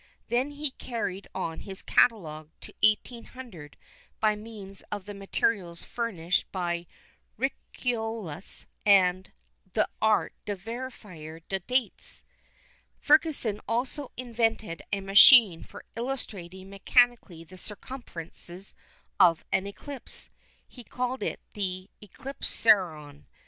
Then he carried on his catalogue to 1800 by means of the materials furnished by Ricciolus and L'Art de vérifier les Dates. Ferguson also invented a machine for illustrating mechanically the circumstances of an eclipse. He called it the "Eclipsareon."